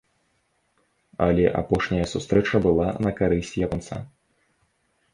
Але апошняя сустрэча была на карысць японца.